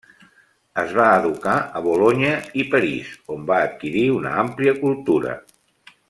Es va educar a Bolonya i París, on va adquirir una àmplia cultura.